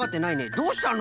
どうしたの？